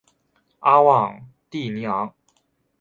阿旺蒂尼昂。